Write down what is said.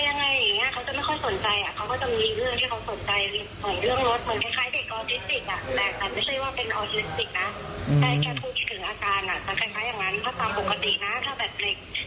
ชิมก็รู้สึกเสียใจอีกประตูประเหตุครั้งนี้